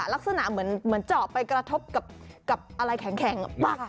ลักษณะเหมือนเจาะไปกระทบกับอะไรแข็ง